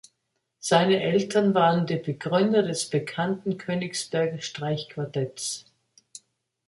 Seine Eltern waren die Begründer des bekannten "Königsberger Streichquartetts".